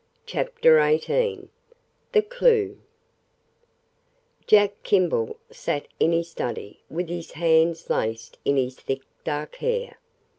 CHAPTER XVIII THE CLUE Jack Kimball sat in his study, with his hands laced in his thick, dark hair.